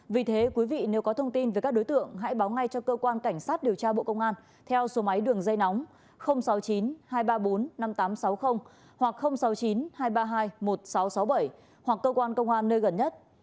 vì thế quý vị nếu có thông tin về các đối tượng hãy báo ngay cho cơ quan cảnh sát điều tra bộ công an theo số máy đường dây nóng sáu mươi chín hai trăm ba mươi bốn năm nghìn tám trăm sáu mươi hoặc sáu mươi chín hai trăm ba mươi hai một nghìn sáu trăm sáu mươi bảy hoặc cơ quan công an nơi gần nhất